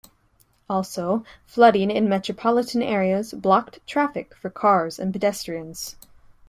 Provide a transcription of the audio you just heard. Also, flooding in metropolitan areas blocked traffic for cars and pedestrians.